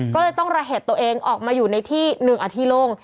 เลยต้องระเหตุตัวเองออกมาอยู่ในที่หนึ่งอาทิโลก